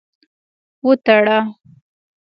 وتړه.